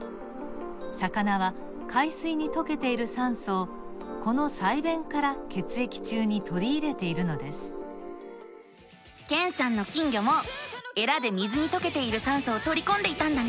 魚は海水にとけている酸素をこの鰓弁から血液中にとりいれているのですけんさんの金魚もえらで水にとけている酸素をとりこんでいたんだね。